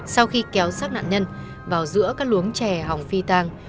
sau khi kéo sát nạn nhân vào giữa các luống trè hỏng phi tang